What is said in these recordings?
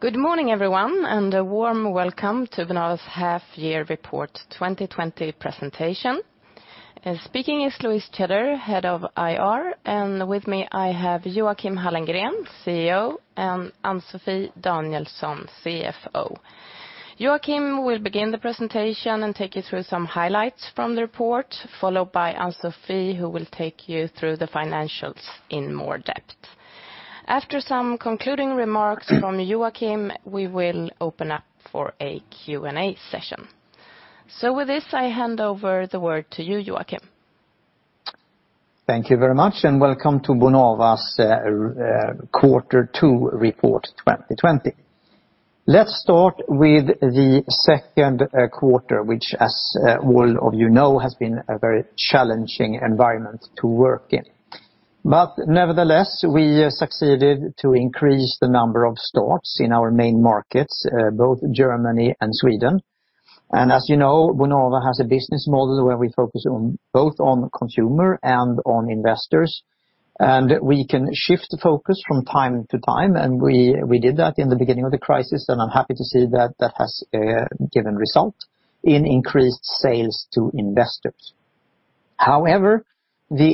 Good morning, everyone, and a warm welcome to Bonava's Half Year Report 2020 presentation. Speaking is Louise Tjäder, Head of IR, and with me I have Joachim Hallengren, CEO, and Ann-Sofi Danielsson, CFO. Joachim will begin the presentation and take you through some highlights from the report, followed by Ann-Sofi, who will take you through the financials in more depth. After some concluding remarks from Joachim, we will open up for a Q&A session. With this, I hand over the word to you, Joachim. Thank you very much, welcome to Bonava's Quarter 2 Report 2020. Let's start with the second quarter, which as all of you know, has been a very challenging environment to work in. Nevertheless, we succeeded to increase the number of starts in our main markets, both Germany and Sweden. As you know, Bonava has a business model where we focus both on consumer and on investors, and we can shift the focus from time to time, and we did that in the beginning of the crisis, and I'm happy to see that that has given result in increased sales to investors. However, the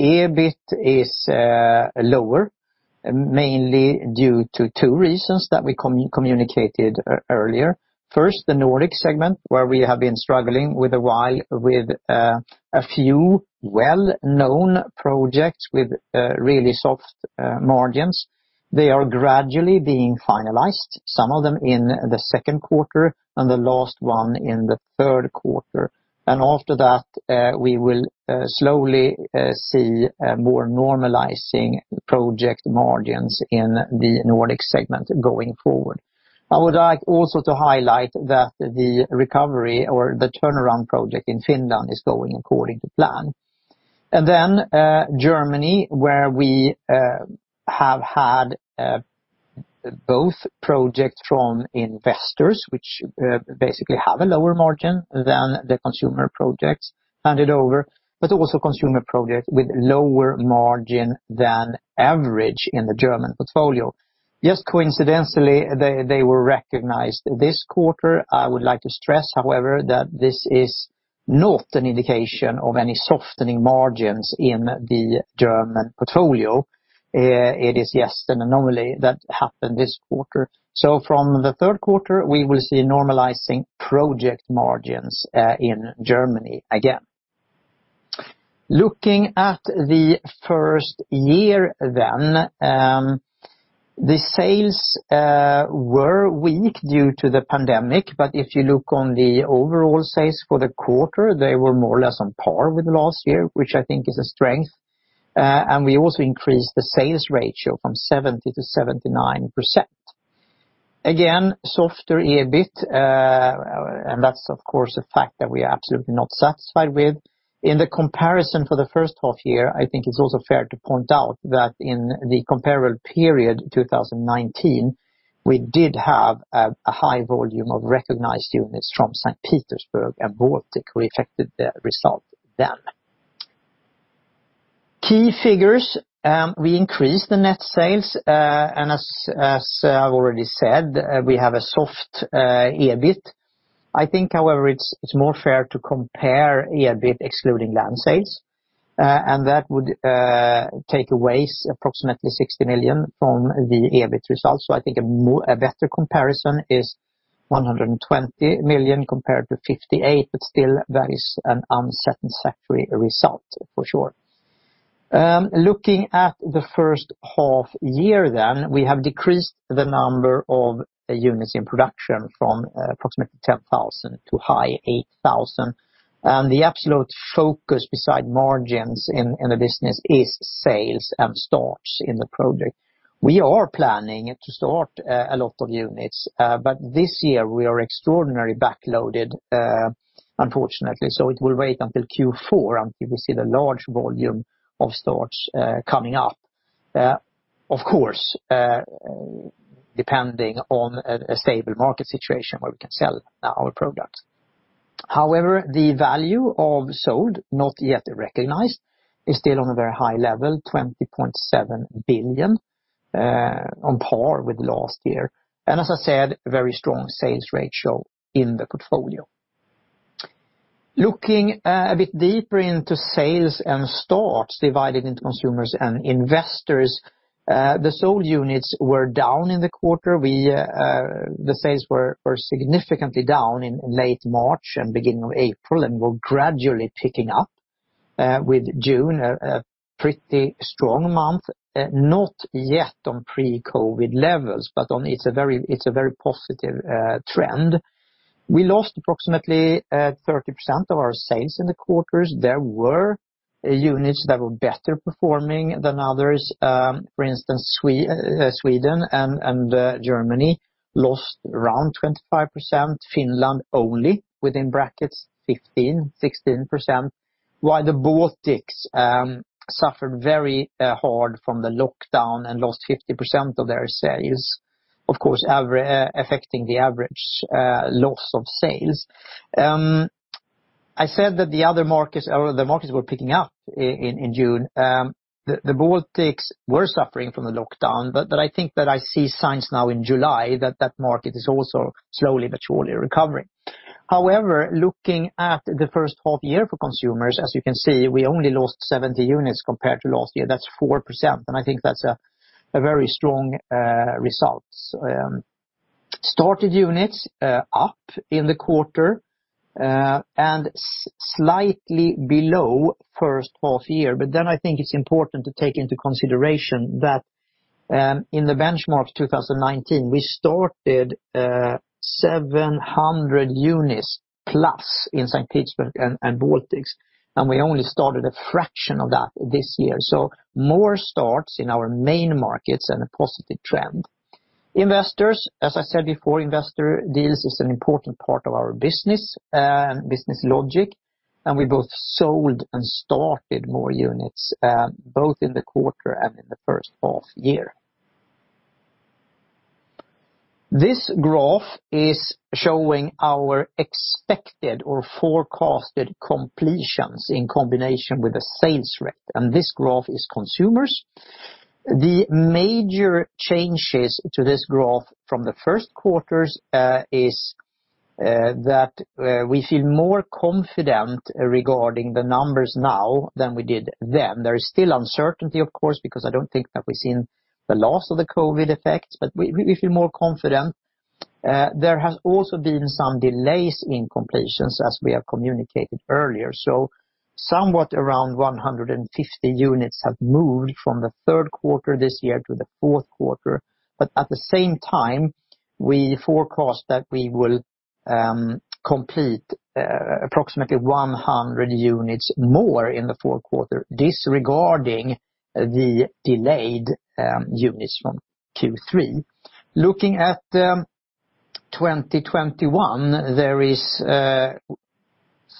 EBIT is lower, mainly due to two reasons that we communicated earlier. First, the Nordic segment, where we have been struggling with a few well-known projects with really soft margins. They are gradually being finalized, some of them in the second quarter and the last one in the third quarter. After that, we will slowly see more normalizing project margins in the Nordic segment going forward. I would like also to highlight that the recovery or the turnaround project in Finland is going according to plan. Germany, where we have had both projects from investors, which basically have a lower margin than the consumer projects handed over, but also consumer projects with lower margin than average in the German portfolio. Just coincidentally, they were recognized this quarter. I would like to stress, however, that this is not an indication of any softening margins in the German portfolio. It is just an anomaly that happened this quarter. From the third quarter, we will see normalizing project margins in Germany again. Looking at the first year, the sales were weak due to the pandemic, but if you look on the overall sales for the quarter, they were more or less on par with last year, which I think is a strength. We also increased the sales ratio from 70% to 79%. Again, softer EBIT, and that's of course a fact that we are absolutely not satisfied with. In the comparison for the first half year, I think it's also fair to point out that in the comparable period, 2019, we did have a high volume of recognized units from St. Petersburg and Baltics. We affected the result then. Key figures. We increased the net sales. As I've already said, we have a soft EBIT. I think, however, it's more fair to compare EBIT excluding land sales. That would take away approximately 60 million from the EBIT results. I think a better comparison is 120 million compared to 58, but still that is an unsatisfactory result for sure. Looking at the first half year then, we have decreased the number of units in production from approximately 10,000 to high 8,000. The absolute focus beside margins in the business is sales and starts in the project. We are planning to start a lot of units, but this year we are extraordinarily backloaded, unfortunately. It will wait until Q4 until we see the large volume of starts coming up. Of course, depending on a stable market situation where we can sell our products. However, the value of sold, not yet recognized, is still on a very high level, 20.7 billion, on par with last year. As I said, very strong sales ratio in the portfolio. Looking a bit deeper into sales and starts divided into consumers and investors, the sold units were down in the quarter. The sales were significantly down in late March and beginning of April, and were gradually picking up with June, a pretty strong month. Not yet on pre-COVID-19 levels, but it's a very positive trend. We lost approximately 30% of our sales in the quarters. There were units that were better performing than others. For instance, Sweden and Germany lost around 25%, Finland only within brackets 15%, 16%, while the Baltics suffered very hard from the lockdown and lost 50% of their sales, of course, affecting the average loss of sales. I said that the other markets or the markets were picking up in June. The Baltics were suffering from the lockdown, I think that I see signs now in July that that market is also slowly but surely recovering. However, looking at the first half year for consumers, as you can see, we only lost 70 units compared to last year. That's 4%, and I think that's a very strong result. Started units up in the quarter, slightly below first half year. I think it's important to take into consideration that in the benchmark 2019, we started 700 units plus in Saint Petersburg and Baltics, we only started a fraction of that this year. More starts in our main markets and a positive trend. Investors, as I said before, investor deals is an important part of our business logic, we both sold and started more units, both in the quarter and in the first half year. This graph is showing our expected or forecasted completions in combination with the sales rate, this graph is consumers. The major changes to this growth from the first quarters is that we feel more confident regarding the numbers now than we did then. There is still uncertainty, of course, because I don't think that we've seen the last of the COVID-19 effects, but we feel more confident. There has also been some delays in completions, as we have communicated earlier. Somewhat around 150 units have moved from the third quarter this year to the fourth quarter. At the same time, we forecast that we will complete approximately 100 units more in the fourth quarter, disregarding the delayed units from Q3. Looking at 2021, there is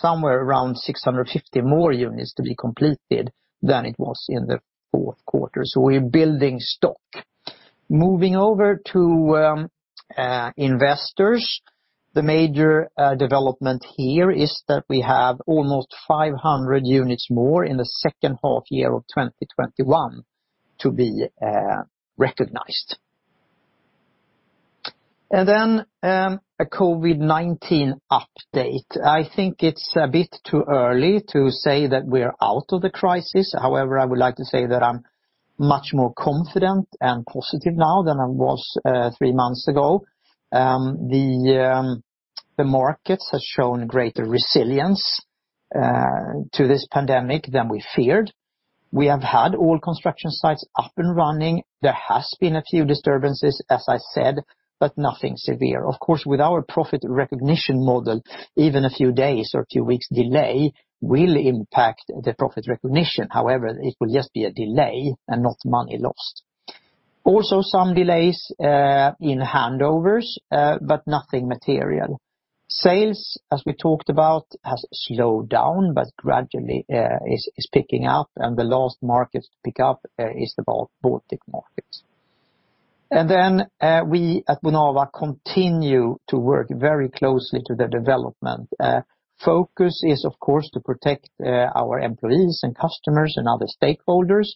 somewhere around 650 more units to be completed than it was in the fourth quarter. We're building stock. Moving over to investors. The major development here is that we have almost 500 units more in the second half year of 2021 to be recognized. A COVID-19 update. I think it's a bit too early to say that we're out of the crisis. However, I would like to say that I'm much more confident and positive now than I was three months ago. The markets have shown greater resilience to this pandemic than we feared. We have had all construction sites up and running. There has been a few disturbances, as I said, but nothing severe. Of course, with our profit recognition model, even a few days' or a few weeks' delay will impact the profit recognition. However, it will just be a delay and not money lost. Also, some delays in handovers, but nothing material. Sales, as we talked about, has slowed down, but gradually is picking up, and the last market to pick up is the Baltic market. We at Bonava continue to work very closely to the development. Focus is, of course, to protect our employees and customers and other stakeholders.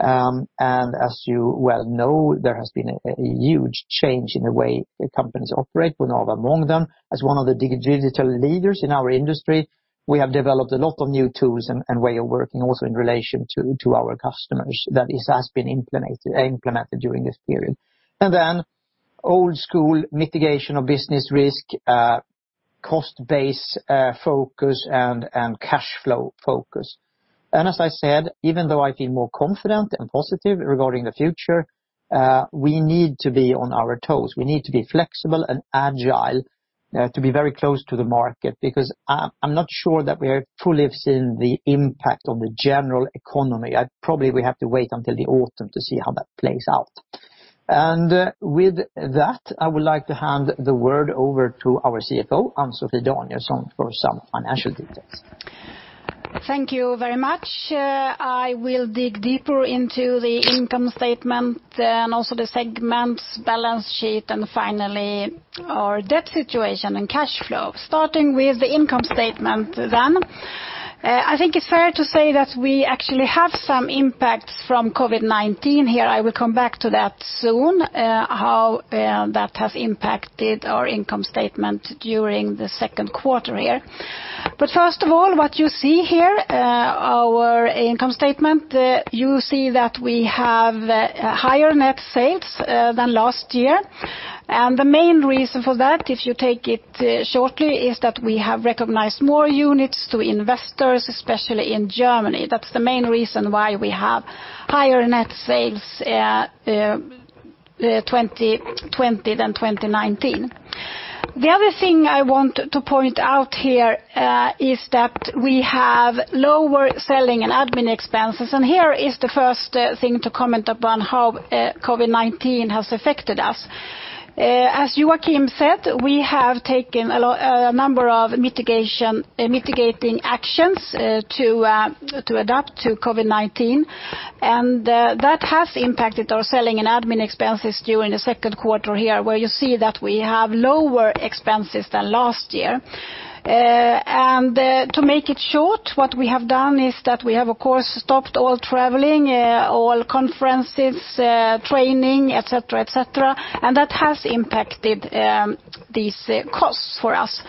As you well know, there has been a huge change in the way companies operate, Bonava among them. As one of the digital leaders in our industry, we have developed a lot of new tools and way of working also in relation to our customers that has been implemented during this period. Old school mitigation of business risk, cost base focus, and cash flow focus. As I said, even though I feel more confident and positive regarding the future, we need to be on our toes. We need to be flexible and agile to be very close to the market, because I'm not sure that we have fully seen the impact on the general economy. Probably we have to wait until the autumn to see how that plays out. I would like to hand the word over to our CFO, Ann-Sofi Danielsson, for some financial details. Thank you very much. I will dig deeper into the income statement and also the segments, balance sheet, and finally our debt situation and cash flow. Starting with the income statement then. I think it's fair to say that we actually have some impacts from COVID-19 here. I will come back to that soon, how that has impacted our income statement during the second quarter here. First of all, what you see here, our income statement, you see that we have higher net sales than last year. The main reason for that, if you take it shortly, is that we have recognized more units to investors, especially in Germany. That's the main reason why we have higher net sales 2020 than 2019. The other thing I want to point out here is that we have lower selling and admin expenses. Here is the first thing to comment upon how COVID-19 has affected us. As Joachim said, we have taken a number of mitigating actions to adapt to COVID-19, that has impacted our selling and admin expenses during the second quarter here, where you see that we have lower expenses than last year. To make it short, what we have done is that we have, of course, stopped all traveling, all conferences, training, et cetera. That has impacted these costs for us.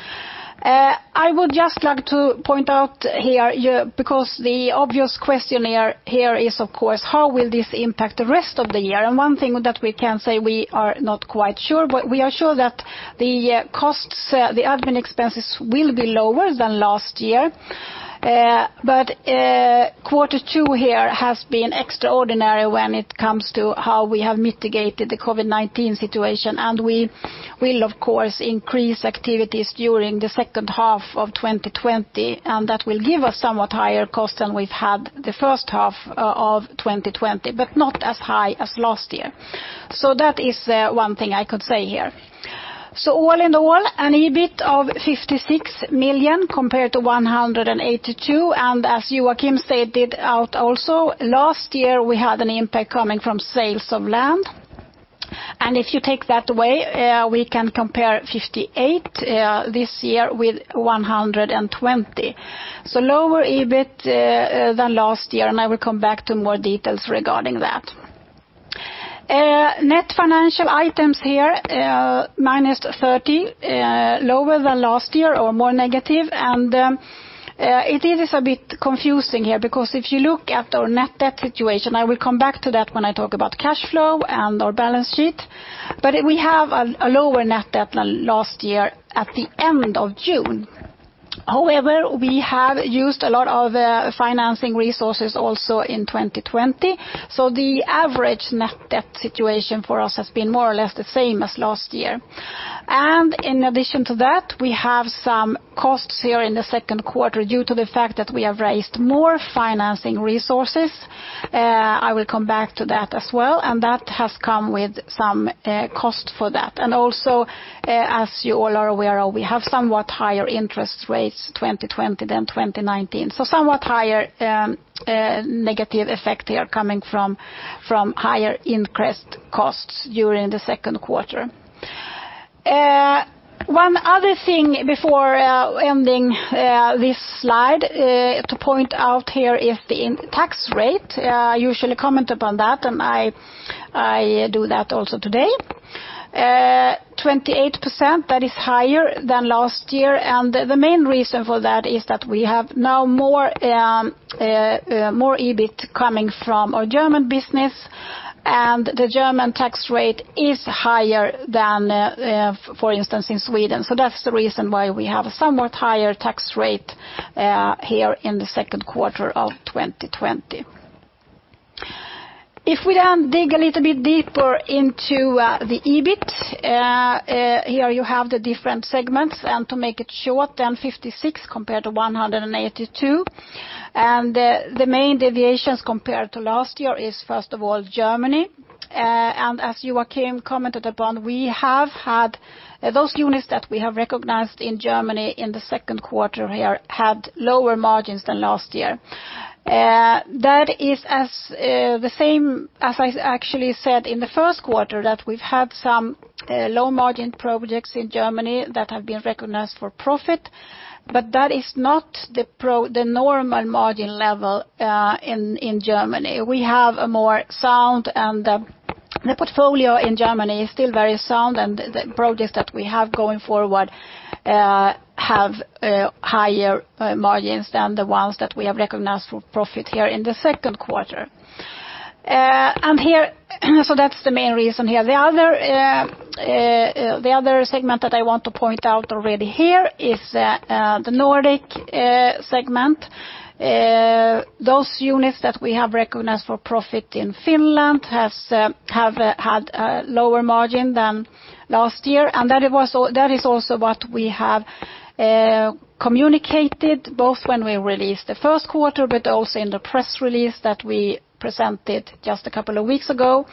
I would just like to point out here, because the obvious question here is, of course, how will this impact the rest of the year? One thing that we can say, we are not quite sure. We are sure that the costs, the admin expenses, will be lower than last year. Quarter two here has been extraordinary when it comes to how we have mitigated the COVID-19 situation. We will, of course, increase activities during the second half of 2020. That will give us somewhat higher cost than we've had the first half of 2020, but not as high as last year. That is one thing I could say here. All in all, an EBIT of 56 million compared to 182 million. As Joachim stated out also, last year we had an impact coming from sales of land. If you take that away, we can compare 58 million this year with 120 million. Lower EBIT than last year, I will come back to more details regarding that. Net financial items here, minus 30 million, lower than last year, or more negative. It is a bit confusing here because if you look at our net debt situation, I will come back to that when I talk about cash flow and our balance sheet. We have a lower net debt than last year at the end of June. However, we have used a lot of financing resources also in 2020. The average net debt situation for us has been more or less the same as last year. In addition to that, we have some costs here in the second quarter due to the fact that we have raised more financing resources. I will come back to that as well, that has come with some cost for that. Also, as you all are aware, we have somewhat higher interest rates 2020 than 2019. Somewhat higher negative effect here coming from higher interest costs during the second quarter. One other thing before ending this slide to point out here is the tax rate. I usually comment upon that, and I do that also today. 28%, that is higher than last year. The main reason for that is that we have now more EBIT coming from our German business, the German tax rate is higher than, for instance, in Sweden. That's the reason why we have a somewhat higher tax rate here in the second quarter of 2020. If we dig a little bit deeper into the EBIT, here you have the different segments. To make it short, 56 million compared to 182 million. The main deviations compared to last year is, first of all, Germany. As Joachim Hallengren commented upon, those units that we have recognized in Germany in the second quarter here had lower margins than last year. That is the same as I actually said in the first quarter, that we've had some low-margin projects in Germany that have been recognized for profit. That is not the normal margin level in Germany. We have a more sound, and the portfolio in Germany is still very sound, and the projects that we have going forward have higher margins than the ones that we have recognized for profit here in the second quarter. That's the main reason here. The other segment that I want to point out already here is the Nordic Segment. Those units that we have recognized for profit in Finland have had a lower margin than last year. That is also what we have communicated, both when we released the first quarter, but also in the press release that we presented just a couple of weeks ago,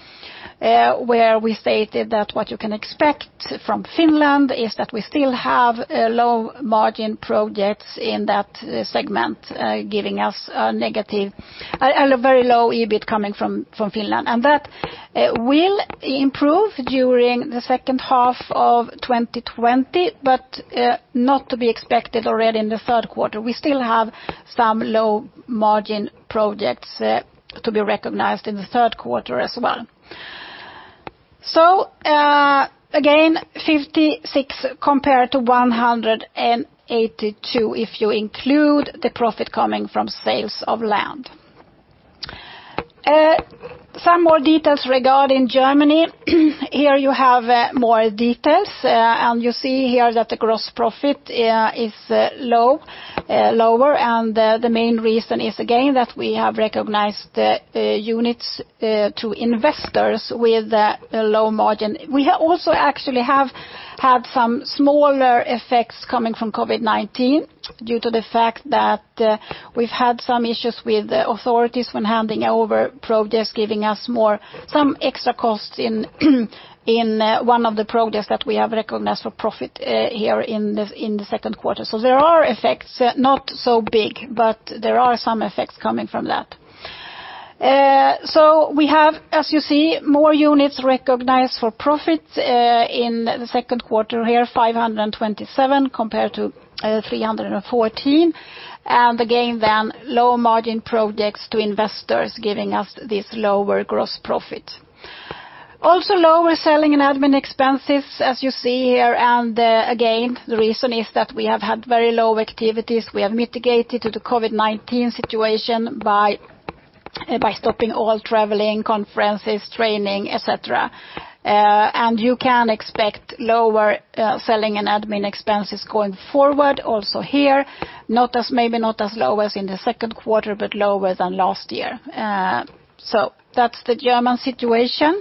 where we stated that what you can expect from Finland is that we still have low-margin projects in that segment, giving us a very low EBIT coming from Finland. That will improve during the second half of 2020, but not to be expected already in the third quarter. We still have some low-margin projects to be recognized in the third quarter as well. Again, 56 compared to 182, if you include the profit coming from sales of land. Some more details regarding Germany. Here you have more details. You see here that the gross profit is lower. The main reason is, again, that we have recognized units to investors with a low margin. We also actually have had some smaller effects coming from COVID-19 due to the fact that we've had some issues with the authorities when handing over projects, giving us some extra costs in one of the projects that we have recognized for profit here in the second quarter. There are effects, not so big, but there are some effects coming from that. We have, as you see, more units recognized for profit in the second quarter here, 527 compared to 314. Again, then lower margin projects to investors giving us this lower gross profit. Also lower selling and admin expenses, as you see here. Again, the reason is that we have had very low activities. We have mitigated the COVID-19 situation by stopping all traveling, conferences, training, et cetera. You can expect lower selling and admin expenses going forward also here. Maybe not as low as in the second quarter, but lower than last year. That's the German situation.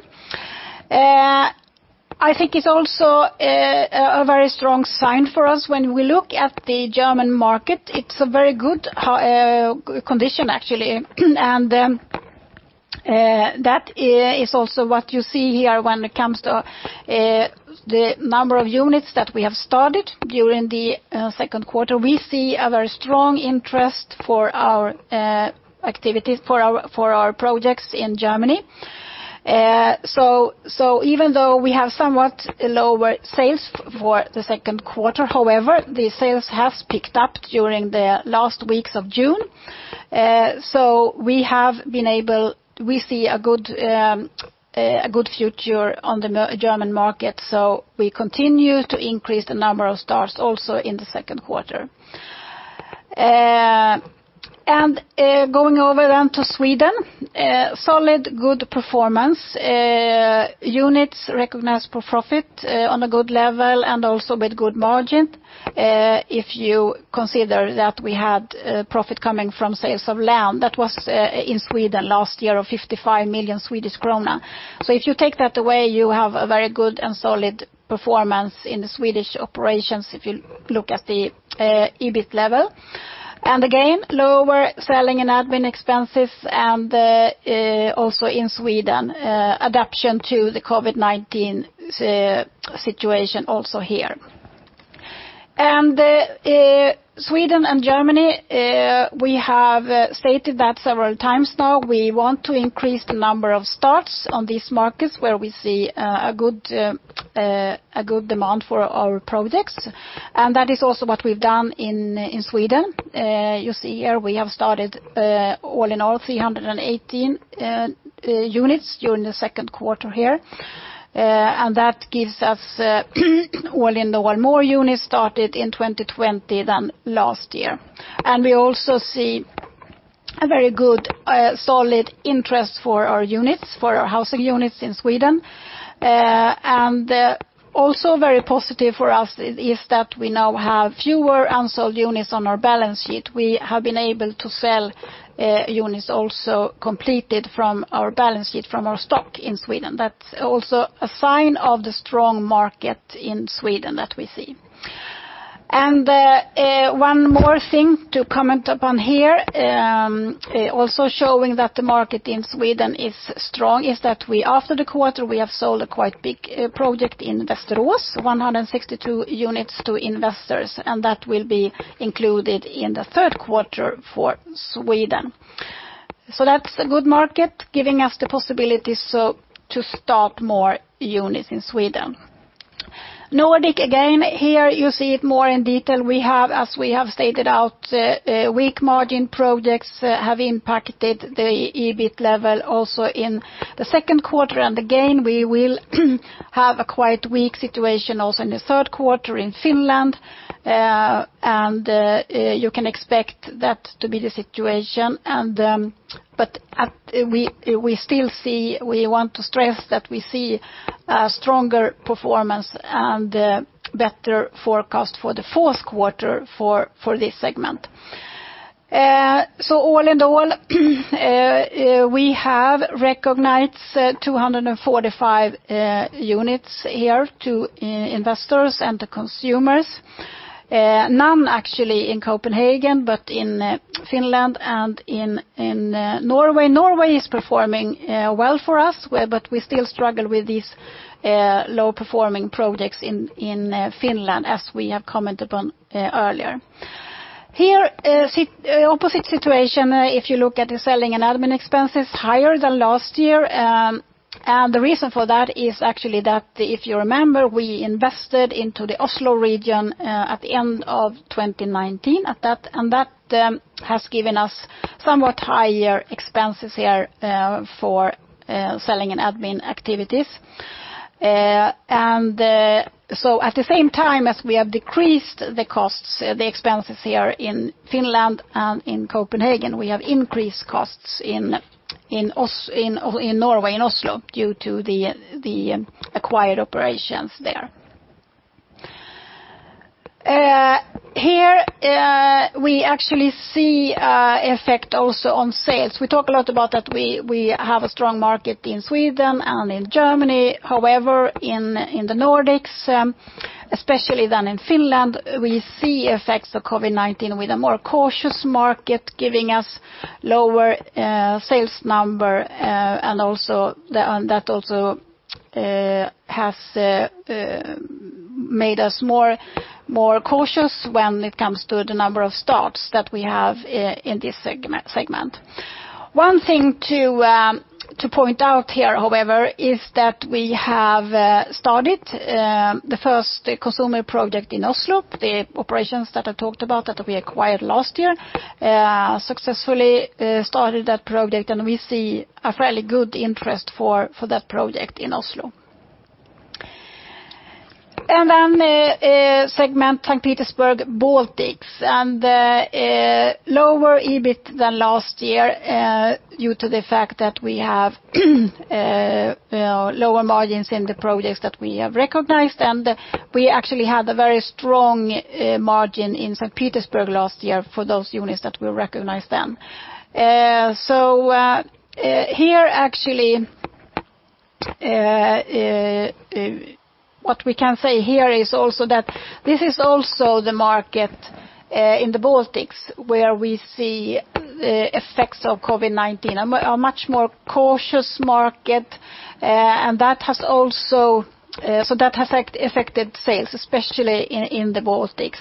I think it's also a very strong sign for us when we look at the German market, it's a very good condition actually. That is also what you see here when it comes to the number of units that we have started during the second quarter. We see a very strong interest for our activities, for our projects in Germany. Even though we have somewhat lower sales for the second quarter, however, the sales have picked up during the last weeks of June. We see a good future on the German market. We continue to increase the number of starts also in the second quarter. Going over then to Sweden, solid good performance. Units recognized for profit on a good level and also with good margin. If you consider that we had profit coming from sales of land, that was in Sweden last year of 55 million Swedish krona. If you take that away, you have a very good and solid performance in the Swedish operations if you look at the EBIT level. Again, lower selling and admin expenses and also in Sweden, adaption to the COVID-19 situation also here. Sweden and Germany, we have stated that several times now. We want to increase the number of starts on these markets where we see a good demand for our projects. That is also what we've done in Sweden. You see here we have started all in all 318 units during the second quarter here. That gives us all in all more units started in 2020 than last year. We also see a very good solid interest for our housing units in Sweden. Also very positive for us is that we now have fewer unsold units on our balance sheet. We have been able to sell units also completed from our balance sheet from our stock in Sweden. That's also a sign of the strong market in Sweden that we see. One more thing to comment upon here, also showing that the market in Sweden is strong is that after the quarter, we have sold a quite big project in Västerås, 162 units to investors. That will be included in the third quarter for Sweden. That's a good market, giving us the possibility to start more units in Sweden. Nordic, again, here you see it more in detail. As we have stated out, weak margin projects have impacted the EBIT level also in the second quarter. Again, we will have a quite weak situation also in the third quarter in Finland. You can expect that to be the situation. We want to stress that we see a stronger performance and better forecast for the fourth quarter for this segment. All in all, we have recognized 245 units here to investors and to consumers. None actually in Copenhagen, but in Finland and in Norway. Norway is performing well for us, but we still struggle with these low-performing projects in Finland, as we have commented upon earlier. Here, opposite situation if you look at the selling and admin expenses, higher than last year. The reason for that is actually that if you remember, we invested into the Oslo region at the end of 2019. That has given us somewhat higher expenses here for selling and admin activities. At the same time as we have decreased the expenses here in Finland and in Copenhagen, we have increased costs in Norway, in Oslo due to the acquired operations there. Here we actually see effect also on sales. We talk a lot about that we have a strong market in Sweden and in Germany. However, in the Nordics, especially then in Finland, we see effects of COVID-19 with a more cautious market giving us lower sales number and that also has made us more cautious when it comes to the number of starts that we have in this segment. One thing to point out here, however, is that we have started the first consumer project in Oslo, the operations that I talked about that we acquired last year. Successfully started that project. We see a fairly good interest for that project in Oslo. Segment Saint Petersburg, Baltics, and lower EBIT than last year due to the fact that we have lower margins in the projects that we have recognized. We actually had a very strong margin in Saint Petersburg last year for those units that we recognized then. What we can say here is also that this is also the market in the Baltics where we see the effects of COVID-19, a much more cautious market. That has affected sales, especially in the Baltics.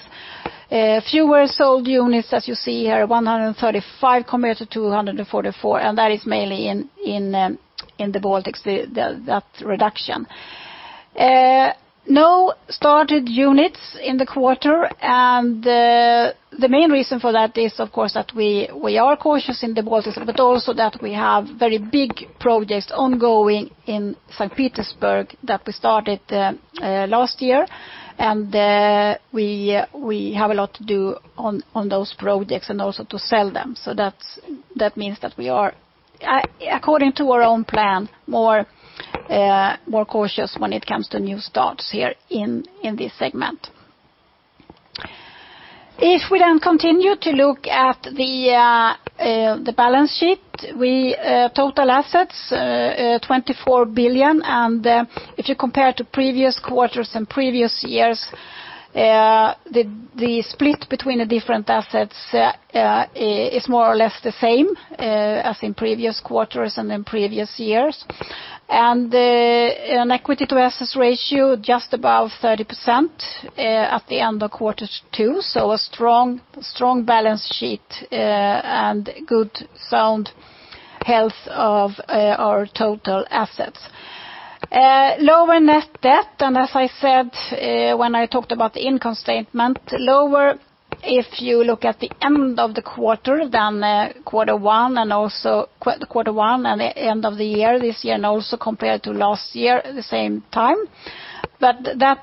Fewer sold units that you see here, 135 compared to 244, and that is mainly in the Baltics, that reduction. No started units in the quarter. The main reason for that is, of course, that we are cautious in the Baltics, but also that we have very big projects ongoing in Saint Petersburg that we started last year. We have a lot to do on those projects and also to sell them. That means that we are, according to our own plan, more cautious when it comes to new starts here in this segment. If we continue to look at the balance sheet, total assets 24 billion. If you compare to previous quarters and previous years, the split between the different assets is more or less the same as in previous quarters and in previous years. An equity to assets ratio just above 30% at the end of quarter two. A strong balance sheet and good, sound health of our total assets. Lower net debt. As I said when I talked about the income statement, lower if you look at the end of the quarter than quarter one and the end of the year, this year and also compared to last year at the same time. That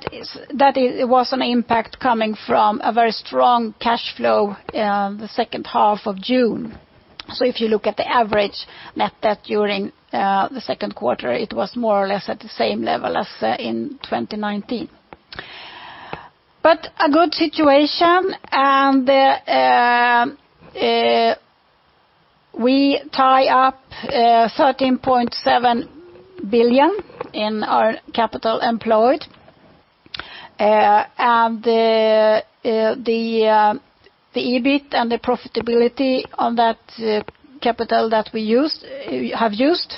was an impact coming from a very strong cash flow the second half of June. If you look at the average net debt during the second quarter, it was more or less at the same level as in 2019. A good situation. We tie up 13.7 billion in our capital employed. The EBIT and the profitability on that capital that we have used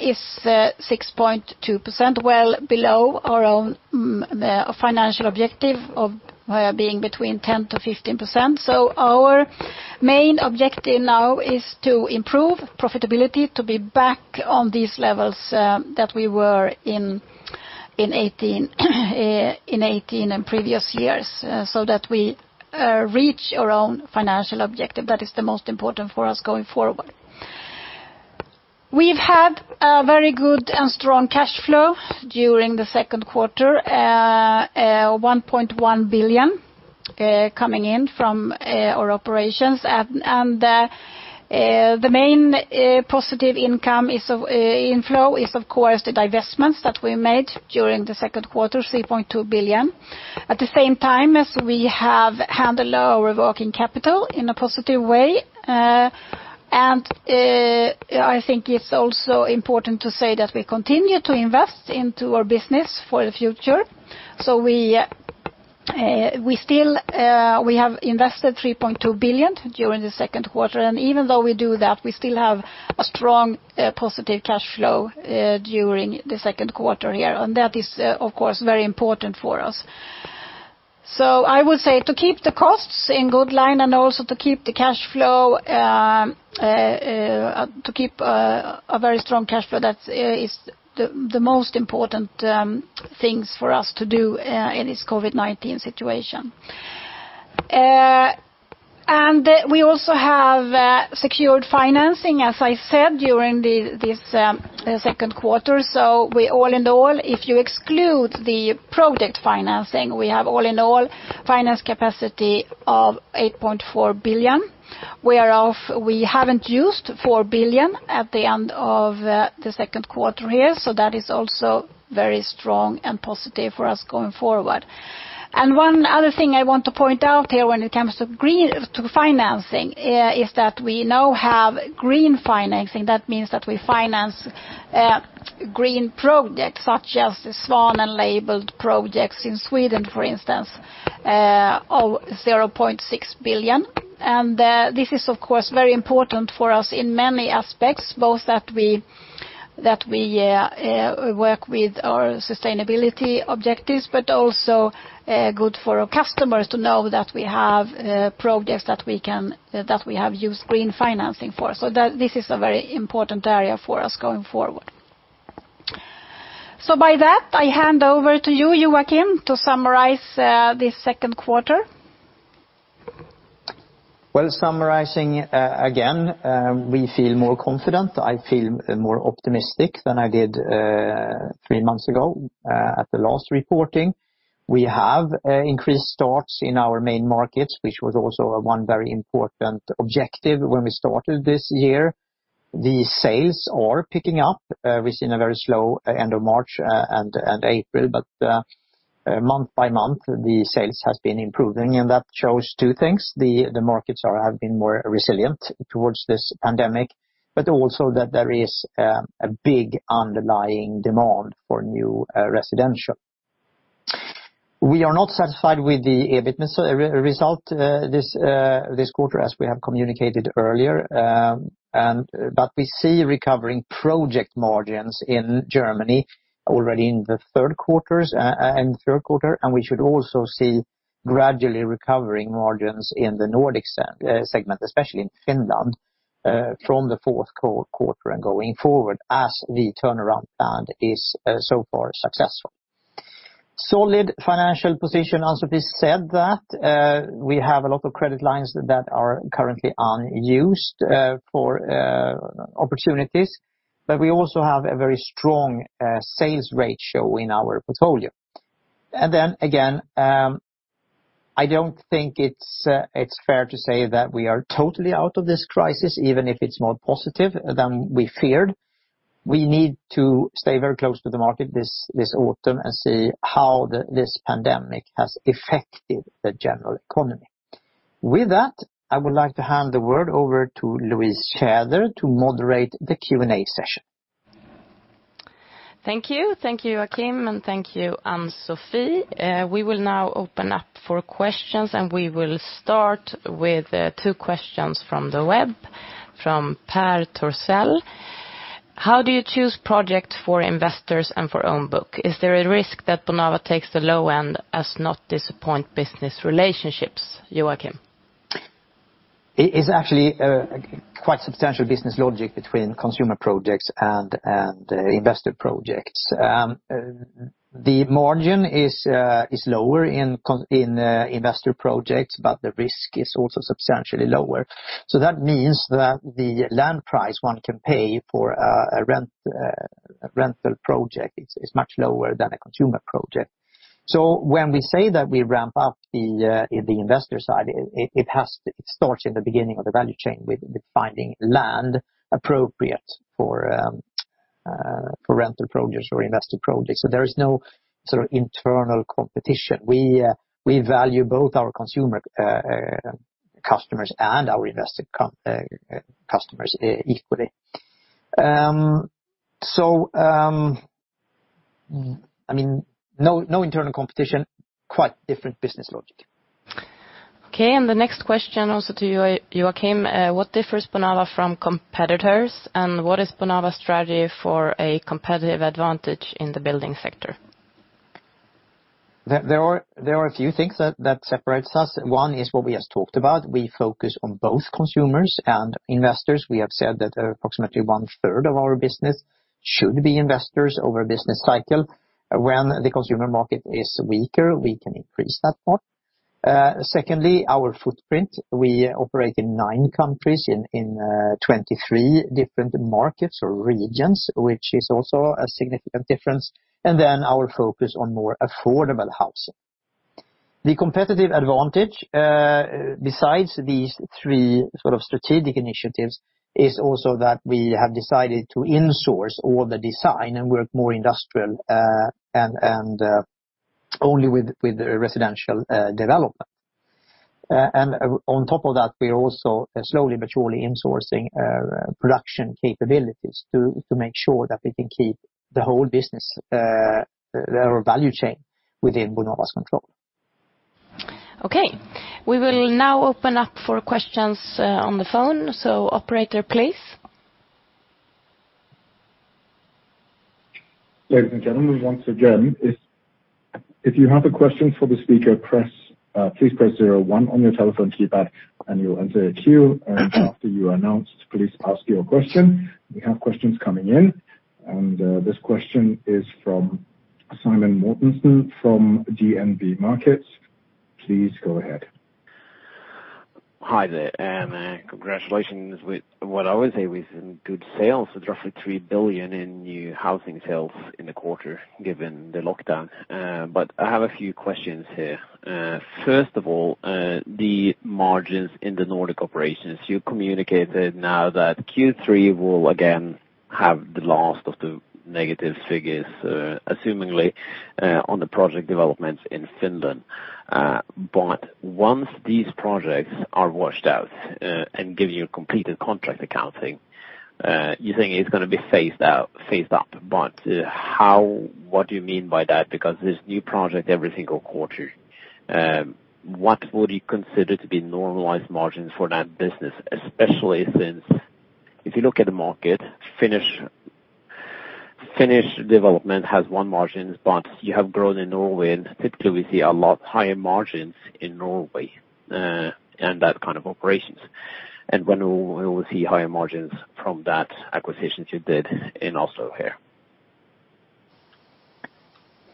is 6.2%, well below our own financial objective of being between 10%-15%. Our main objective now is to improve profitability to be back on these levels that we were in 2018 and previous years, that we reach our own financial objective. That is the most important for us going forward. We've had a very good and strong cash flow during the second quarter, 1.1 billion coming in from our operations. The main positive income inflow is, of course, the divestments that we made during the second quarter, 3.2 billion. At the same time as we have handled our working capital in a positive way. I think it's also important to say that we continue to invest into our business for the future. We have invested 3.2 billion during the second quarter, and even though we do that, we still have a strong positive cash flow during the second quarter here. That is, of course, very important for us. I would say to keep the costs in good line and also to keep a very strong cash flow, that is the most important things for us to do in this COVID-19 situation. We also have secured financing, as I said, during this second quarter. All in all, if you exclude the project financing, we have all in all finance capacity of 8.4 billion, whereof we haven't used 4 billion at the end of the second quarter here. That is also very strong and positive for us going forward. One other thing I want to point out here when it comes to financing is that we now have green financing. That means that we finance green projects such as the Svanen labeled projects in Sweden, for instance, 0.6 billion. This is, of course, very important for us in many aspects, both that we That we work with our sustainability objectives, but also good for our customers to know that we have projects that we have used green financing for. This is a very important area for us going forward. With that, I hand over to you, Joachim, to summarize this second quarter. Well, summarizing again, we feel more confident. I feel more optimistic than I did 3 months ago at the last reporting. We have increased starts in our main markets, which was also one very important objective when we started this year. The sales are picking up. We've seen a very slow end of March and April, but month by month, the sales have been improving, and that shows 2 things. The markets have been more resilient towards this pandemic, but also that there is a big underlying demand for new residential. We are not satisfied with the EBIT result this quarter, as we have communicated earlier. We see recovering project margins in Germany already in the third quarter. We should also see gradually recovering margins in the Nordic segment, especially in Finland, from the fourth quarter and going forward as the turnaround plan is so far successful. Solid financial position. Ann-Sofi said that we have a lot of credit lines that are currently unused for opportunities. We also have a very strong sales ratio in our portfolio. Again, I don't think it's fair to say that we are totally out of this crisis, even if it's more positive than we feared. We need to stay very close to the market this autumn and see how this pandemic has affected the general economy. With that, I would like to hand the word over to Louise Tjäder to moderate the Q&A session. Thank you. Thank you, Joachim, and thank you, Ann-Sofi. We will now open up for questions. We will start with two questions from the web. From Peter Corsell. How do you choose projects for investors and for own book? Is there a risk that Bonava takes the low end as not disappoint business relationships, Joachim? It is actually quite substantial business logic between consumer projects and investor projects. The margin is lower in investor projects, the risk is also substantially lower. That means that the land price one can pay for a rental project is much lower than a consumer project. When we say that we ramp up the investor side, it starts at the beginning of the value chain with finding land appropriate for rental projects or investor projects. There is no sort of internal competition. We value both our consumer customers and our investor customers equally. No internal competition. Quite different business logic. Okay, the next question also to Joachim. What differs Bonava from competitors, what is Bonava's strategy for a competitive advantage in the building sector? There are a few things that separates us. One is what we just talked about. We focus on both consumers and investors. We have said that approximately one-third of our business should be investors over a business cycle. When the consumer market is weaker, we can increase that part. Secondly, our footprint. We operate in nine countries in 23 different markets or regions, which is also a significant difference. Then our focus on more affordable housing. The competitive advantage, besides these three sort of strategic initiatives, is also that we have decided to insource all the design and work more industrial and only with residential development. On top of that, we're also slowly but surely insourcing production capabilities to make sure that we can keep the whole business, our value chain, within Bonava's control. Okay. We will now open up for questions on the phone. Operator, please. Ladies and gentlemen, once again, if you have a question for the speaker, please press zero one on your telephone keypad and you'll enter a queue, and after you are announced, please ask your question. We have questions coming in. This question is from Simen Mortensen from DNB Markets. Please go ahead. Hi there, congratulations with what I would say was good sales. Roughly 3 billion in new housing sales in the quarter given the lockdown. I have a few questions here. First of all, the margins in the Nordic operations. You communicated now that Q3 will again have the last of the negative figures assumingly on the project developments in Finland. Once these projects are washed out and give you a completed contract accounting, you think it's going to be phased up. What do you mean by that? Because there's new project every single quarter. What would you consider to be normalized margins for that business? Especially since if you look at the market, Finnish development has one margin, but you have grown in Norway, and typically we see a lot higher margins in Norway and that kind of operations. When will we see higher margins from that acquisition you did in Oslo here?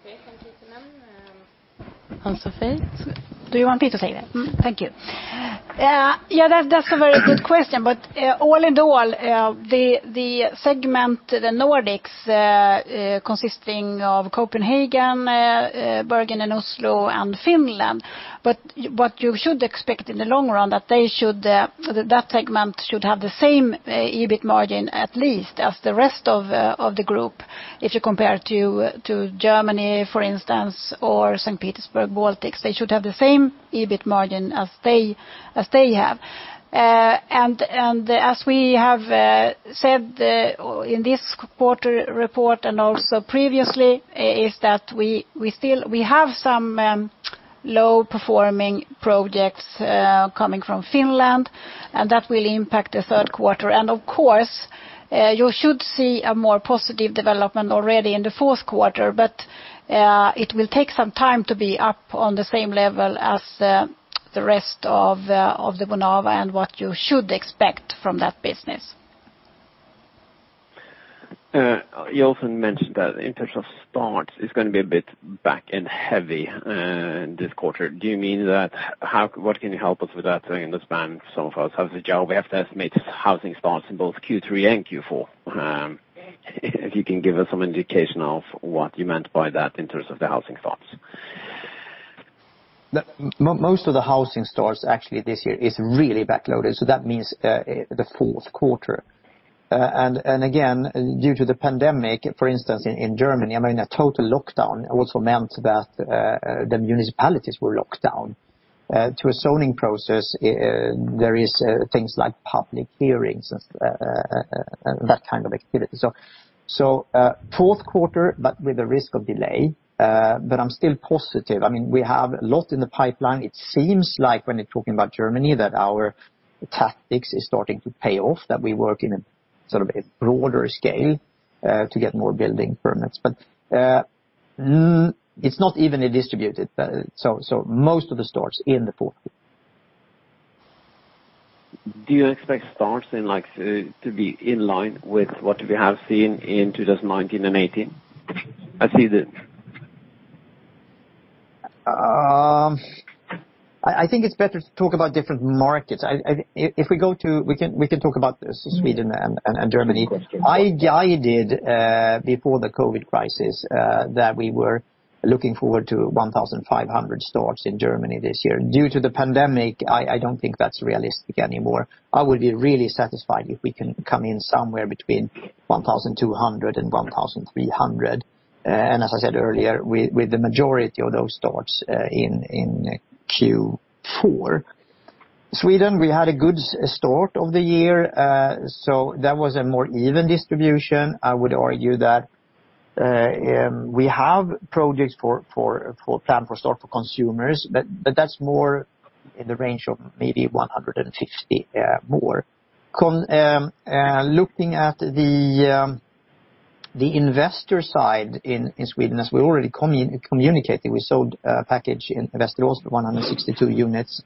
Okay. Thank you, Simen. Ann-Sofi? Do you want me to say that? Thank you. Yeah, that's a very good question. All in all, the segment, the Nordics, consisting of Copenhagen, Bergen and Oslo, and Finland. What you should expect in the long run, that segment should have the same EBIT margin at least as the rest of the group, if you compare to Germany, for instance, or Saint Petersburg, Baltics. They should have the same EBIT margin as they have. As we have said in this quarter report and also previously, is that we have some low-performing projects coming from Finland, and that will impact the third quarter. Of course, you should see a more positive development already in the fourth quarter. It will take some time to be up on the same level as the rest of the Bonava and what you should expect from that business. You often mentioned that in terms of starts, it is going to be a bit back and heavy this quarter. Do you mean that? What can you help us with that? I understand some of us have the job. We have to estimate housing starts in both Q3 and Q4. If you can give us some indication of what you meant by that in terms of the housing starts. Most of the housing starts actually this year is really back-loaded, so that means the fourth quarter. Again, due to the pandemic, for instance, in Germany, a total lockdown also meant that the municipalities were locked down. To a zoning process, there is things like public hearings and that kind of activity. So fourth quarter, but with the risk of delay. I am still positive. We have a lot in the pipeline. It seems like when you are talking about Germany, that our tactics is starting to pay off, that we work in a broader scale to get more building permits. It is not evenly distributed. So most of the starts in the fourth quarter. Do you expect starts to be in line with what we have seen in 2019 and '18? I think it is better to talk about different markets. We can talk about Sweden and Germany. I guided, before the COVID crisis, that we were looking forward to 1,500 starts in Germany this year. Due to the pandemic, I do not think that is realistic anymore. I would be really satisfied if we can come in somewhere between 1,200 and 1,300. As I said earlier, with the majority of those starts in Q4. Sweden, we had a good start of the year. That was a more even distribution. I would argue that we have projects planned for start for consumers, but that is more in the range of maybe 160, more. Looking at the investor side in Sweden, as we already communicated, we sold a package in Västerås, 162 units,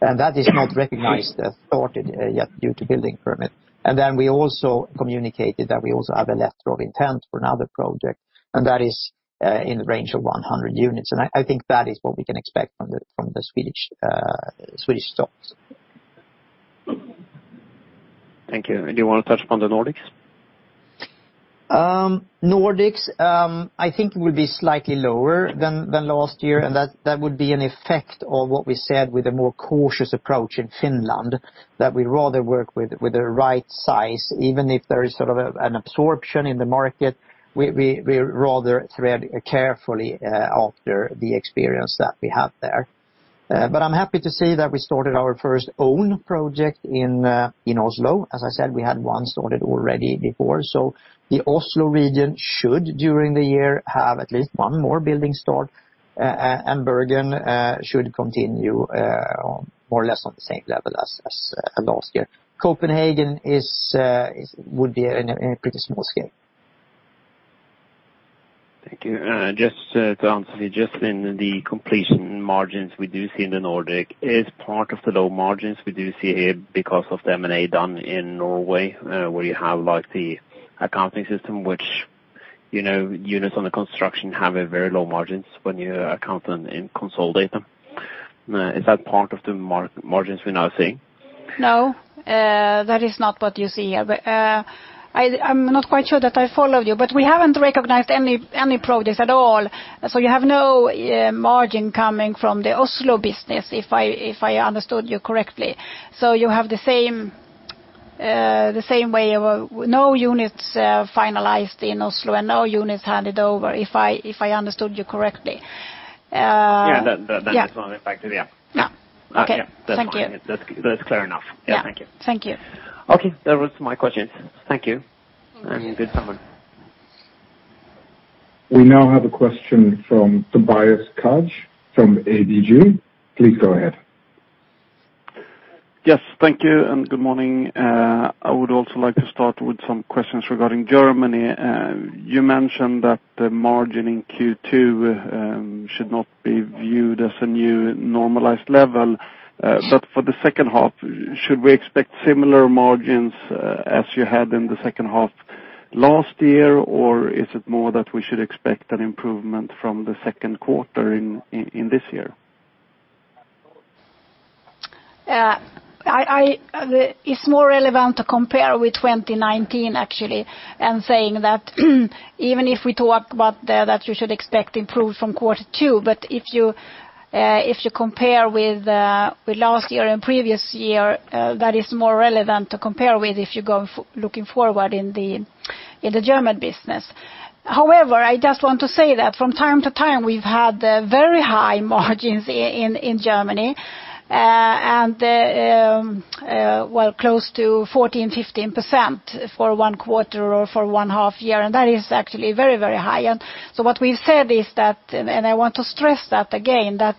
and that is not recognized as started yet due to building permit. Then we also communicated that we also have a letter of intent for another project, and that is in the range of 100 units. I think that is what we can expect from the Swedish starts. Thank you. You want to touch upon the Nordics? Nordics, I think will be slightly lower than last year. That would be an effect of what we said with a more cautious approach in Finland, that we rather work with the right size, even if there is an absorption in the market. We rather thread carefully after the experience that we have there. I'm happy to say that we started our first own project in Oslo. As I said, we had one started already before. The Oslo region should, during the year, have at least one more building start, and Bergen should continue more or less on the same level as last year. Copenhagen would be in a pretty small scale. Thank you. Ann-Sofi, just in the completion margins we do see in the Nordics, is part of the low margins we do see here because of the M&A done in Norway, where you have the accounting system, which units on the construction have a very low margins when you account them and consolidate them. Is that part of the margins we're now seeing? No, that is not what you see here. I'm not quite sure that I followed you, but we haven't recognized any progress at all. You have no margin coming from the Oslo business, if I understood you correctly. You have the same way. No units finalized in Oslo and no units handed over, if I understood you correctly. Yeah, that is one factor, yeah. Yeah. Okay. Yeah. Thank you. That's fine. That's clear enough. Yeah. Thank you. Thank you. Okay. That was my questions. Thank you, and good summer. We now have a question from Tobias Kaj from ABG. Please go ahead Yes. Thank you, and good morning. I would also like to start with some questions regarding Germany. You mentioned that the margin in Q2 should not be viewed as a new normalized level. For the second half, should we expect similar margins as you had in the second half last year? Is it more that we should expect an improvement from the second quarter in this year? It's more relevant to compare with 2019, actually, and saying that even if we talk about that you should expect improvement from Q2. If you compare with last year and previous year, that is more relevant to compare with if you go looking forward in the German business. However, I just want to say that from time to time, we've had very high margins in Germany, close to 14%-15% for one quarter or for one half year, and that is actually very high. What we've said is that, and I want to stress that again, that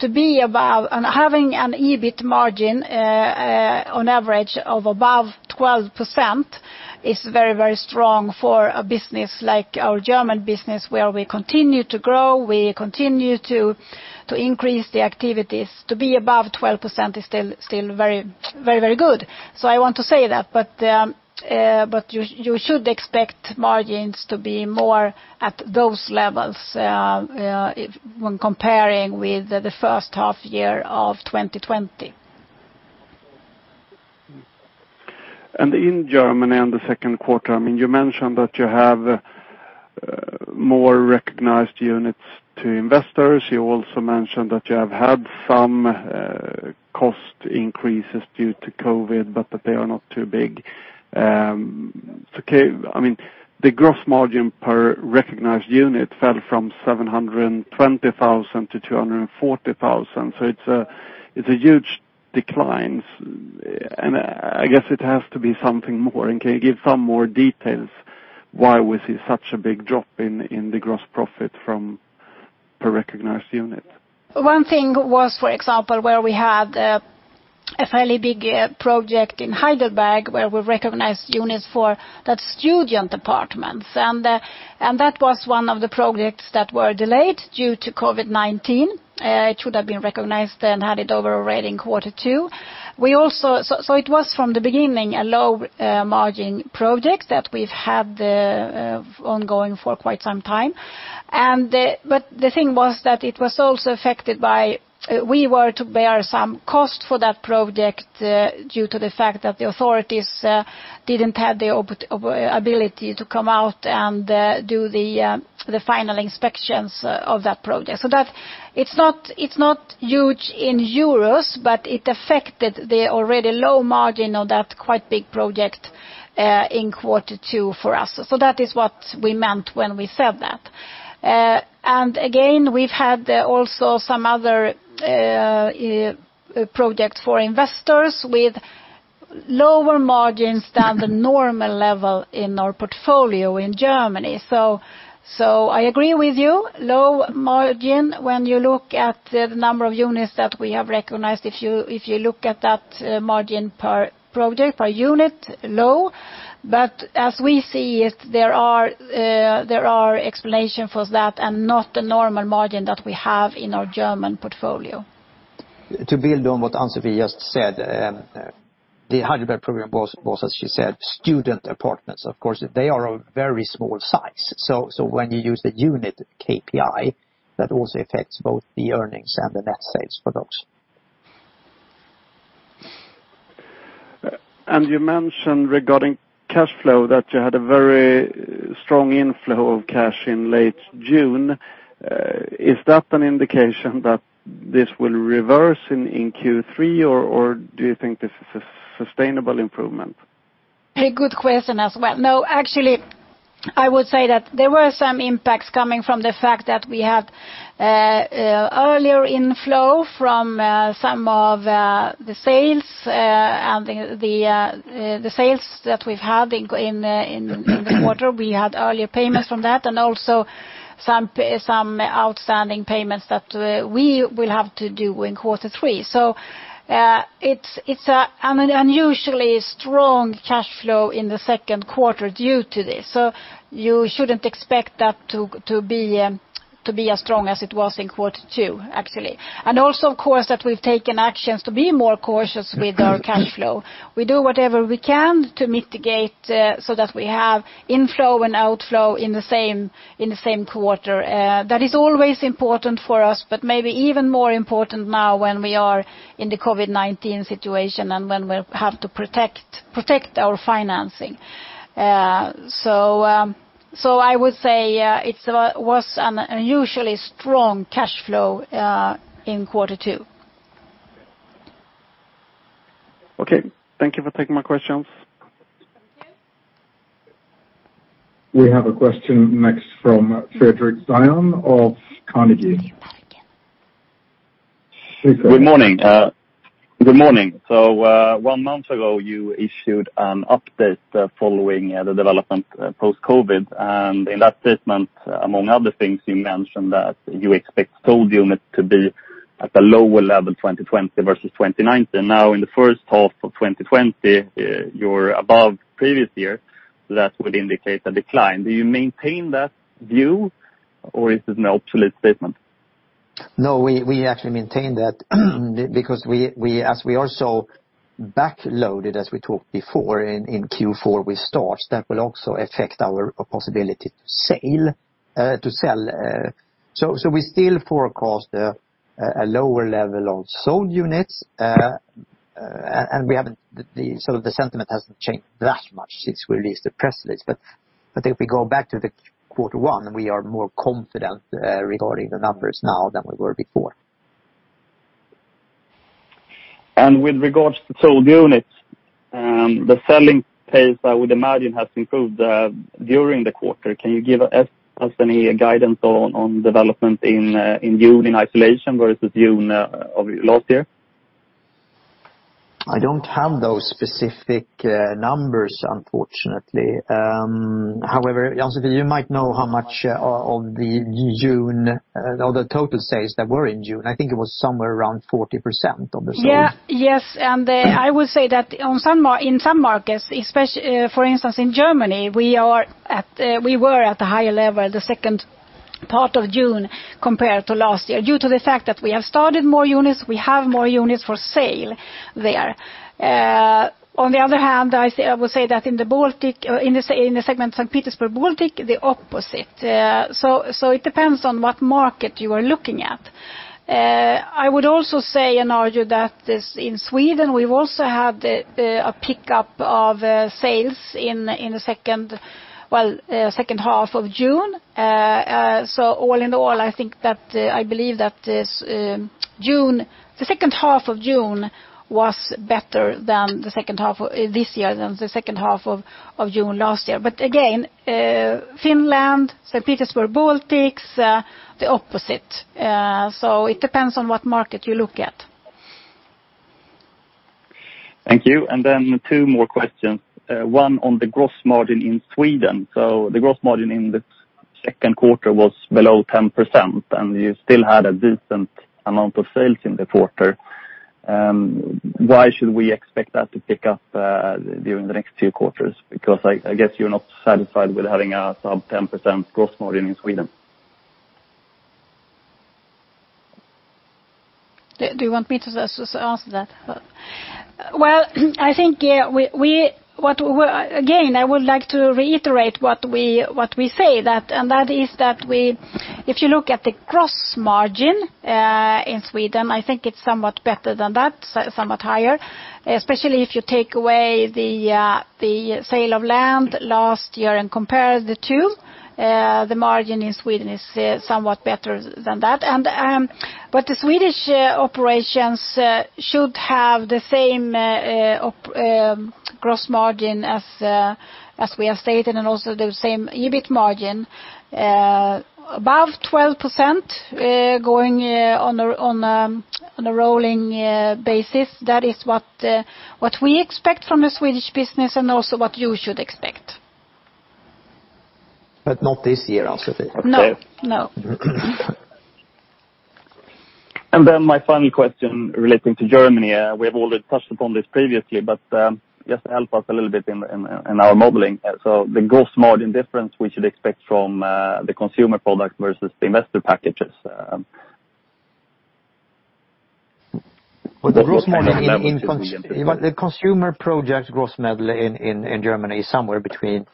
to be above and having an EBIT margin on average of above 12% is very strong for a business like our German business where we continue to grow, we continue to increase the activities. To be above 12% is still very good. I want to say that. You should expect margins to be more at those levels when comparing with the first half year of 2020. In Germany in Q2, you mentioned that you have more recognized units to investors. You also mentioned that you have had some cost increases due to COVID-19, but that they are not too big. The gross margin per recognized unit fell from 720,000-240,000. It's a huge decline, and I guess it has to be something more. Can you give some more details why we see such a big drop in the gross profit from per recognized unit? One thing was, for example, where we had a fairly big project in Heidelberg where we recognized units for that student apartments. That was one of the projects that were delayed due to COVID-19. It should have been recognized and handed over already in Q2. It was from the beginning, a low margin project that we've had ongoing for quite some time. The thing was that it was also affected by we were to bear some cost for that project due to the fact that the authorities didn't have the ability to come out and do the final inspections of that project. It's not huge in EUR, but it affected the already low margin of that quite big project in Q2 for us. That is what we meant when we said that. Again, we've had also some other projects for investors with lower margins than the normal level in our portfolio in Germany. I agree with you, low margin when you look at the number of units that we have recognized, if you look at that margin per project, per unit, low. As we see it, there are explanation for that and not the normal margin that we have in our German portfolio. To build on what Ann-Sofi just said, the Heidelberg program was, as she said, student apartments. Of course, they are a very small size. When you use the unit KPI, that also affects both the earnings and the net sales for those. You mentioned regarding cash flow that you had a very strong inflow of cash in late June. Is that an indication that this will reverse in Q3, or do you think this is a sustainable improvement? A good question as well. No, actually, I would say that there were some impacts coming from the fact that we had earlier inflow from some of the sales that we've had in the quarter. We had earlier payments from that, and also some outstanding payments that we will have to do in quarter three. It's an unusually strong cash flow in the second quarter due to this. You shouldn't expect that to be as strong as it was in quarter two, actually. Also, of course, that we've taken actions to be more cautious with our cash flow. We do whatever we can to mitigate so that we have inflow and outflow in the same quarter. That is always important for us, but maybe even more important now when we are in the COVID-19 situation and when we have to protect our financing. I would say it was an unusually strong cash flow in quarter two. Okay. Thank you for taking my questions. We have a question next from Fredrik Olsson of Carnegie. Fredrik. Good morning. One month ago, you issued an update following the development post-COVID. In that statement, among other things, you mentioned that you expect sold units to be at a lower level 2020 versus 2019. In the first half of 2020, you're above previous year. That would indicate a decline. Do you maintain that view, or is it an obsolete statement? No, we actually maintain that because as we also backloaded, as we talked before, in Q4 with starts, that will also affect our possibility to sell. We still forecast a lower level of sold units, and the sentiment hasn't changed that much since we released the press release. I think if we go back to quarter one, we are more confident regarding the numbers now than we were before. With regards to sold units, the selling pace, I would imagine, has improved during the quarter. Can you give us any guidance on development in June in isolation versus June of last year? I don't have those specific numbers, unfortunately. However, Ann-Sofi, you might know how much of the total sales that were in June. I think it was somewhere around 40% of the sold. Yes. I would say that in some markets, for instance, in Germany, we were at a higher level the second part of June compared to last year, due to the fact that we have started more units, we have more units for sale there. On the other hand, I would say that in the segment Saint Petersburg, Baltics, the opposite. It depends on what market you are looking at. I would also say and argue that in Sweden, we've also had a pickup of sales in the second half of June. All in all, I believe that the second half of June was better this year than the second half of June last year. Again, Finland, Saint Petersburg, Baltics, the opposite. It depends on what market you look at. Thank you. Then two more questions. One on the gross margin in Sweden. The gross margin in the second quarter was below 10%, and you still had a decent amount of sales in the quarter. Why should we expect that to pick up during the next few quarters? Because I guess you're not satisfied with having a sub 10% gross margin in Sweden. Do you want me to answer that? Well, again, I would like to reiterate what we say, and that is that if you look at the gross margin in Sweden, I think it's somewhat better than that, somewhat higher, especially if you take away the sale of land last year and compare the two. The margin in Sweden is somewhat better than that. The Swedish operations should have the same gross margin as we have stated, and also the same EBIT margin above 12% going on a rolling basis. That is what we expect from the Swedish business and also what you should expect. Not this year, Ann-Sofi. No. Okay. No. My final question relating to Germany. We have already touched upon this previously, but just help us a little bit in our modeling. The gross margin difference we should expect from the consumer product versus the investor packages. The consumer project gross margin in Germany is somewhere between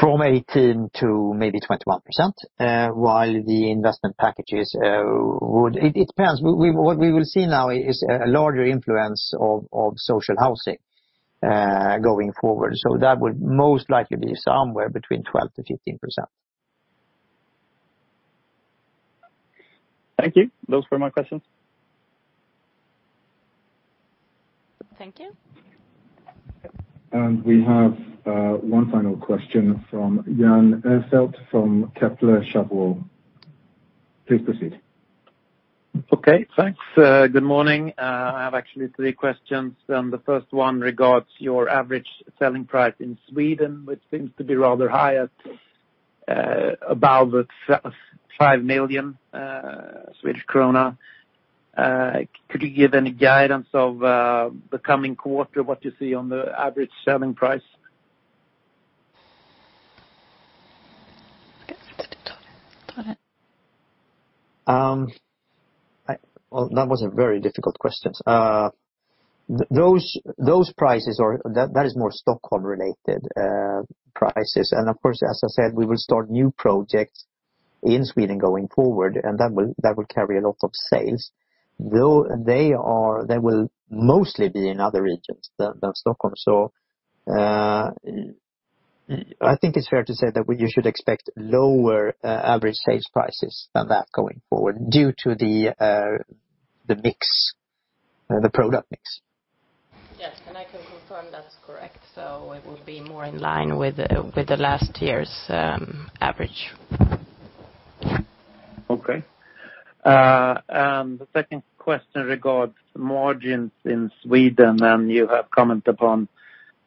from 18% to maybe 21%, while the investment packages, it depends. What we will see now is a larger influence of social housing going forward. That would most likely be somewhere between 12% to 15%. Thank you. Those were my questions. Thank you. We have one final question from Jan Arnell from Kepler Cheuvreux. Please proceed. Okay, thanks. Good morning. I have actually three questions. The first one regards your average selling price in Sweden, which seems to be rather high at about five million SEK. Could you give any guidance of the coming quarter, what you see on the average selling price? Well, that was a very difficult question. Those prices, that is more Stockholm-related prices. Of course, as I said, we will start new projects in Sweden going forward, and that will carry a lot of sales. They will mostly be in other regions than Stockholm. I think it's fair to say that you should expect lower average sales prices than that going forward due to the product mix. Yes, I can confirm that's correct. It will be more in line with the last year's average. Okay. The second question regards margins in Sweden, you have commented upon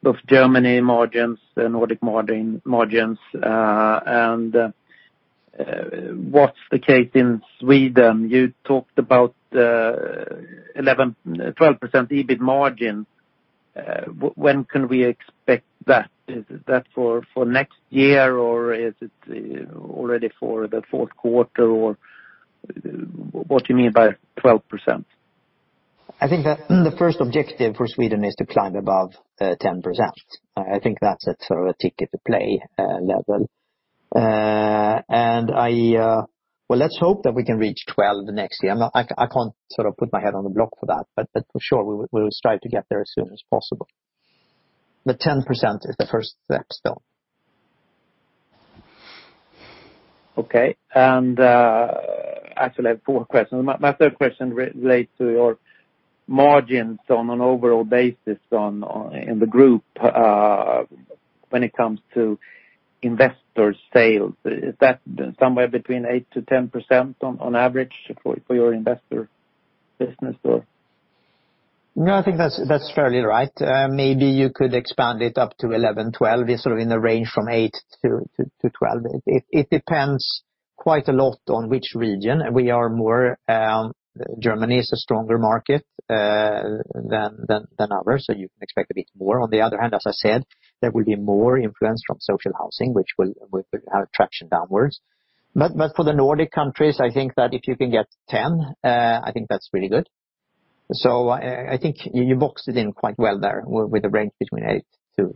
both Germany margins, the Nordic margins, What's the case in Sweden? You talked about 12% EBIT margin. When can we expect that? Is that for next year, or is it already for the fourth quarter, or what do you mean by 12%? I think the first objective for Sweden is to climb above 10%. I think that's a ticket to play level. Let's hope that we can reach 12 next year. I can't put my head on the block for that, for sure, we will strive to get there as soon as possible. 10% is the first step still. Okay. Actually I have four questions. My third question relates to your margins on an overall basis in the group, when it comes to investor sales. Is that somewhere between 8%-10% on average for your investor business or? No, I think that's fairly right. Maybe you could expand it up to 11, 12. It's in the range from eight to 12. It depends quite a lot on which region. Germany is a stronger market than others, so you can expect a bit more. On the other hand, as I said, there will be more influence from social housing, which will have a traction downwards. For the Nordic countries, I think that if you can get 10, I think that's really good. I think you boxed it in quite well there with a range between 8%-12%,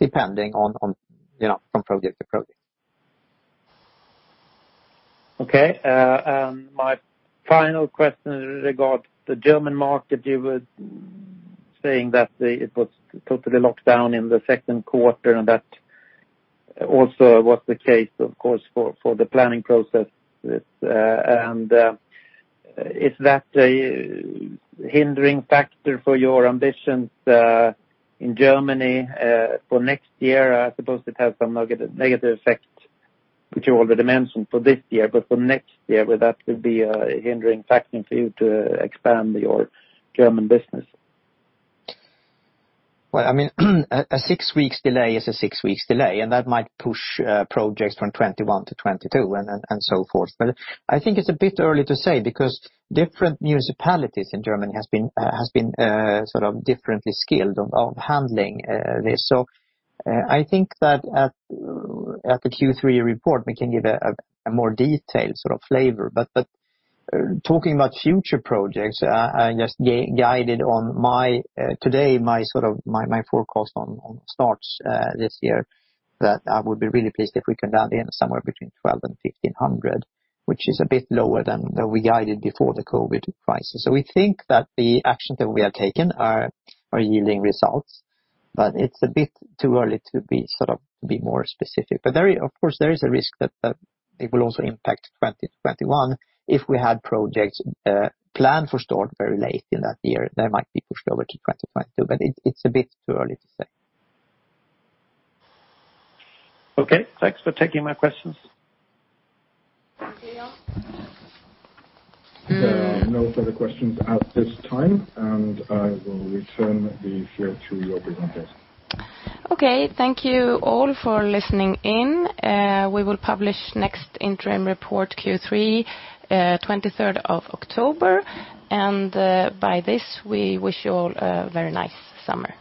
depending on project to project. Okay. My final question in regard to the German market, you were saying that it was totally locked down in the second quarter, and that also was the case, of course, for the planning process. Is that a hindering factor for your ambitions in Germany for next year? I suppose it has some negative effect, which you already mentioned for this year. For next year, will that be a hindering factor for you to expand your German business? Well, a six weeks delay is a six weeks delay, and that might push projects from 2021 to 2022, and so forth. I think it's a bit early to say, because different municipalities in Germany has been differently skilled of handling this. I think that at the Q3 report, we can give a more detailed flavor. Talking about future projects, I just guided on today my forecast on starts this year, that I would be really pleased if we can land in somewhere between 1,200 and 1,500, which is a bit lower than we guided before the COVID-19 crisis. We think that the actions that we have taken are yielding results, but it's a bit too early to be more specific. Of course, there is a risk that it will also impact 2021. If we had projects planned for start very late in that year, they might be pushed over to 2022. It's a bit too early to say. Okay. Thanks for taking my questions. Thank you. There are no further questions at this time, and I will return the floor to you, Louise Tjäder. Okay. Thank you all for listening in. We will publish next interim report Q3, 23rd of October, and by this, we wish you all a very nice summer.